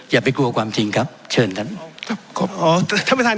อย่าไปกลัวความจริงครับเชิญท่าน